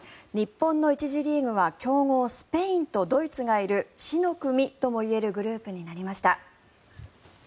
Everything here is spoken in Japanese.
日本の１次リーグは強豪スペインとドイツがいる死の組ともいえるグループになりました。